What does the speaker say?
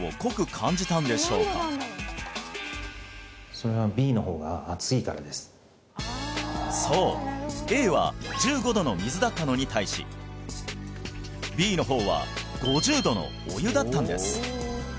それはそうＡは１５度の水だったのに対しＢの方は５０度のお湯だったんです